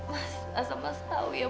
mas masa mas tau ya